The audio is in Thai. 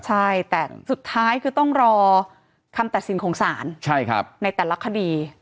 ใช่แต่สุดท้ายคือต้องรอคำตัดสินของศาลในแต่ละคดี